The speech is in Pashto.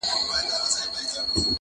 راهب په کليسا کي مردار ښه دی؛ مندر نسته